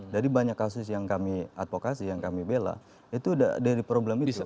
jadi banyak kasus yang kami advokasi yang kami bela itu dari problem itu